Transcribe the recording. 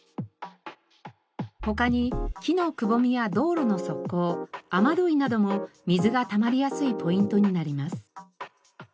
他に木のくぼみや道路の側溝雨どいなども水がたまりやすいポイントになります。